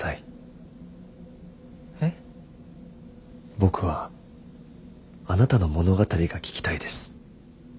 僕はあなたの物語が聞きたいです。